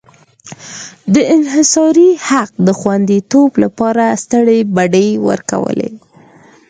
د انحصاري حق د خوندیتوب لپاره سترې بډې ورکولې.